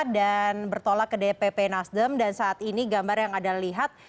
dan bertolak ke dpp nasdem dan saat ini gambar yang ada lihat